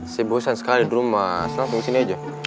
sibosan sekali dulu mas nanti gue sini aja